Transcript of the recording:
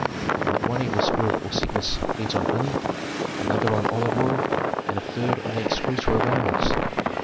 And that one evil spirit or sickness feeds on honey, another on olive oil, and a third on the excreta of animals.